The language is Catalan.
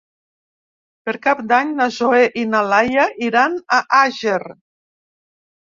Per Cap d'Any na Zoè i na Laia iran a Àger.